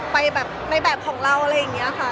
ไปแบบในแบบของเราอะไรอย่างนี้ค่ะ